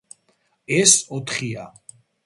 ეს ოთხია.